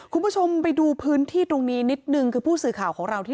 คุณผู้ชมไปดูพื้นที่ตรงนี้นิดนึงคือผู้สื่อข่าวของเราที่